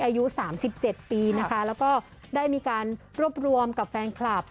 อายุ๓๗ปีนะคะแล้วก็ได้มีการรวบรวมกับแฟนคลับ